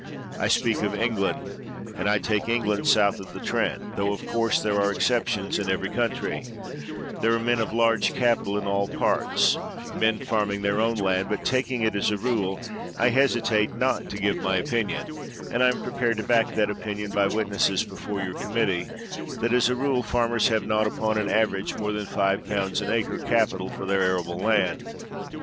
I speak of Eng land, and I take England south of the Trent, tho, of course, there are exceptions in every coun try; there are men of large capital in all parts — men farming their own land; but, taking it as a rule, I hesitate not to give my opinion — and I am prepared to back that opinion by witnesses before your committee — that, as a rule, farmers have not, upon an average, more than 51. an acre capital for their arable land.